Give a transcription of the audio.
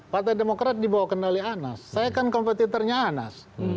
partai demokrat dibawa kendali anas saya kan kompetitornya anas